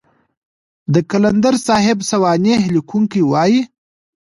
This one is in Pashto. د قلندر صاحب سوانح ليکونکي وايي.